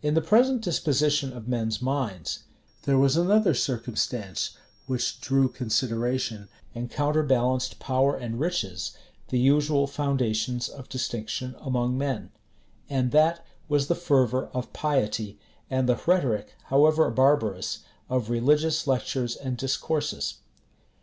In the present disposition of men's minds, there was another circumstance which drew consideration, and counterbalanced power and riches, the usual foundations of distinction among men; and that was the fervor of piety, and the rhetoric, however barbarous, of religious lectures and discourses.